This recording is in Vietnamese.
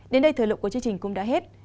đến đây thời lượng của chương trình cũng đã hết